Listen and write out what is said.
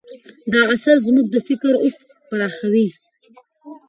دا اثر زموږ د فکر افق پراخوي.